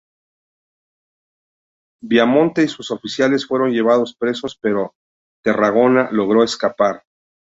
Viamonte y sus oficiales fueron llevados presos, pero Tarragona logró escapar.